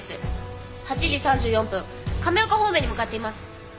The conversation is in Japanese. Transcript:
８時３４分亀岡方面に向かっています。